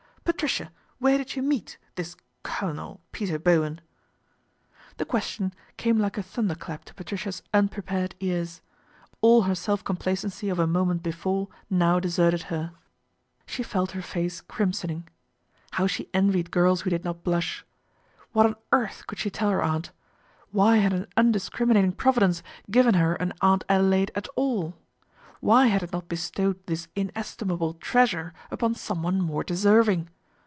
" Patricia, where did you meet this Colonel Peter Bowen ?" The question came like a thunder clap to Patricia's unprepared ears. All her self com placency of a moment before now deserted her. 84 PATRICIA BRENT, SPINSTER She felt her face crimsoning. How she envied girls who did not blush. What on earth could she tell her aunt ? Why had an undiscriminating Providence given her an Aunt Adelaide at all ? Why had it not bestowed this inestimable treas ure upon someone more deserving